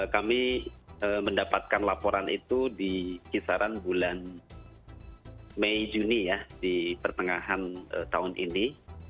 kami mendapatkan laporan itu di kisaran bulan mei juni ya di pertengahan tahun ini